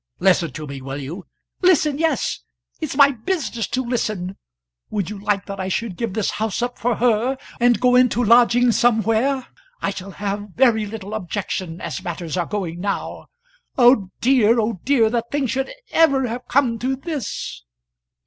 "Listen to me, will you?" "Listen, yes; it's my business to listen. Would you like that I should give this house up for her, and go into lodgings somewhere? I shall have very little objection as matters are going now. Oh dear, oh dear, that things should ever have come to this!"